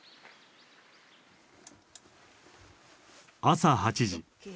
朝８時。